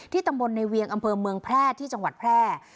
ตำบลในเวียงอำเภอเมืองแพร่ที่จังหวัดแพร่